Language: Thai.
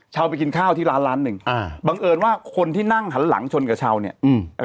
เอาไปกินข้าวที่ร้านร้านหนึ่งอ่าบังเอิญว่าคนที่นั่งหันหลังชนกับชาวเนี้ยอืมเอ่อ